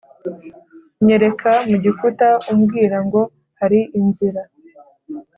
unyereka mu gikuta umbwira ngo hari inzira